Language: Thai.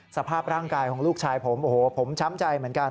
สภาพร่างกายของลูกชายผมโอ้โหผมช้ำใจเหมือนกัน